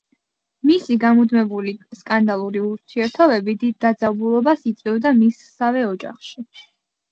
მისი გამუდმებული სკანდალური ურთიერთობები დიდ დაძაბულობას იწვევდა მისსავე ოჯახში.